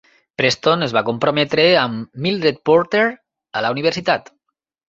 Preston es va comprometre amb Mildred Porter a la universitat.